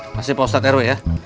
masih pak ustadz rw ya